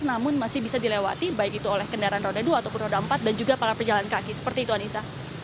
namun masih bisa dilewati baik itu oleh kendaraan roda dua ataupun roda empat dan juga para pejalan kaki seperti itu anissa